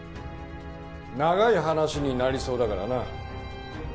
長い話になりそうだからな。